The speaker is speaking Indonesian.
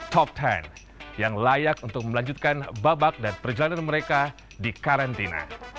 top sepuluh yang layak untuk melanjutkan babak dan perjalanan mereka di karantina